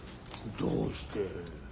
どうして？